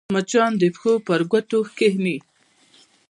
مچان د پښو پر ګوتو کښېني